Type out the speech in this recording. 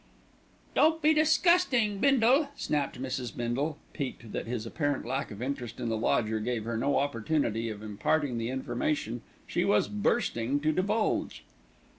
"Don't be disgusting, Bindle," snapped Mrs. Bindle, piqued that his apparent lack of interest in the lodger gave her no opportunity of imparting the information she was bursting to divulge.